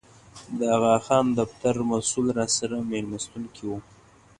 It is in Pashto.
د اغاخان دفتر مسوول راسره مېلمستون کې و.